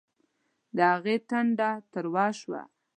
د هغې ټنډه تروه شوه